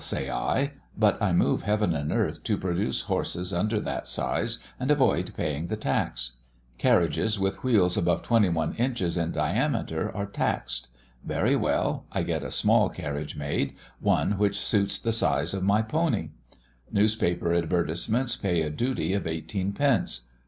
say I. But I move heaven and earth to produce horses under that size, and avoid paying the tax. Carriages with wheels above 21 inches in diameter are taxed. Very well. I get a small carriage made, one which suits the size of my pony. Newspaper advertisements pay a duty of eighteen pence.